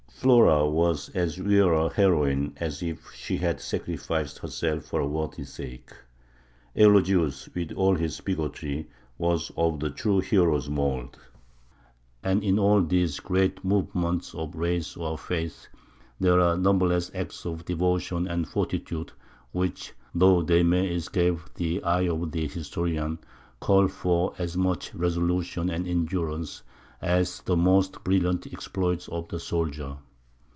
Flora was as real a heroine as if she had sacrificed herself for a worthy sake. Eulogius, with all his bigotry, was of the true hero's mould. And in all these great movements of race or faith there are numberless acts of devotion and fortitude which, though they may escape the eye of the historian, call for as much resolution and endurance as the most brilliant exploits of the soldier.